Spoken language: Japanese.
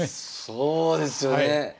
そうですよね。